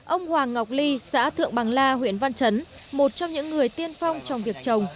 ông hoàng ngọc ly xã thượng bằng la huyện văn chấn một trong những người tiên phong trong việc trồng